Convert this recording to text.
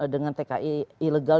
dengan tki ilegal